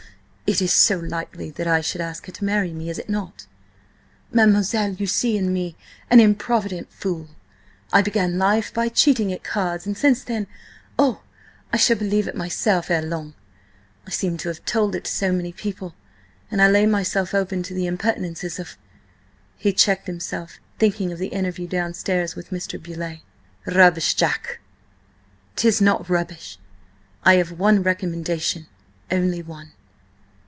"It is so likely that I should ask her to marry me, is it not? 'Mademoiselle, you see in me an improvident fool: I began life by cheating at cards, and since then—' Oh, I shall believe it myself ere long! I seem to have told it to so many people. And I lay myself open to the impertinences of—" he checked himself, thinking of the interview downstairs with Mr. Beauleigh. "Rubbish, Jack." "'Tis not rubbish. I have one recommendation–only one."